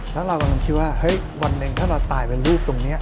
แล้วเรากำลังคิดว่าเฮ้ยวันหนึ่งถ้าเราตายเป็นลูกตรงนี้